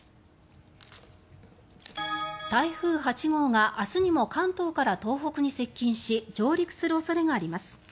台風８号が明日にも関東から東北に接近し上陸する恐れがあります。